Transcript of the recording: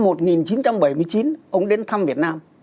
ông đến thăm việt nam